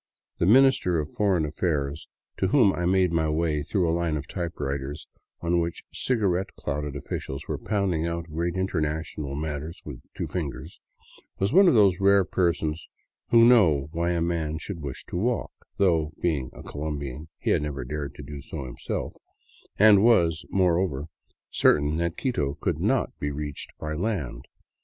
The Minister of Foreign Affairs to whom I made my way through a line of typewriters on which cigarette clouded officials were pounding out great international matters with two fingers, was one of those rare persons who know why a man should wish to walk, though, being a Colombian, he had never dared do so himself, and was, moreover, certain that Quito could not be reached by land.